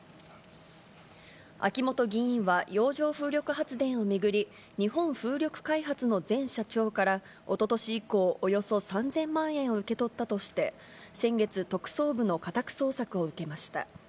秋本議員は洋上風力発電を巡り、日本風力開発の前社長からおととし以降、およそ３０００万円を受け取ったとして、先月、特捜部の家宅捜索を受けました。